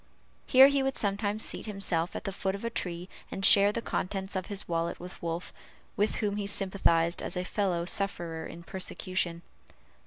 Here he would sometimes seat himself at the foot of a tree, and share the contents of his wallet with Wolf, with whom he sympathized as a fellow sufferer in persecution.